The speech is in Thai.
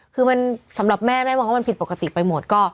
คือมันสำหรับแม่แม่มองว่ามันผิดปกติไปหมด